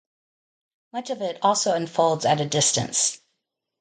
Much of it also unfolds at a distance.